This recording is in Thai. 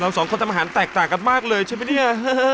สองคนทำอาหารแตกต่างกันมากเลยใช่ไหมเนี่ย